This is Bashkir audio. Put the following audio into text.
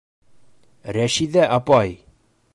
Рәшиҙә апай!